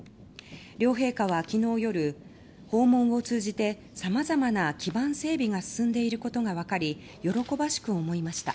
両陛下は昨日夜訪問を通じてさまざまな基盤整備が進んでいることが分かり喜ばしく思いました。